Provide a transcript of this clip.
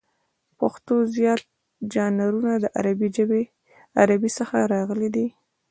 د پښتو زیات ژانرونه له عربي څخه راغلي دي.